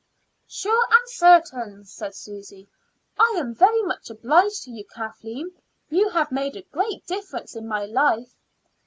"Sure and certain," said Susy. "I am very much obliged to you, Kathleen; you have made a great difference in my life."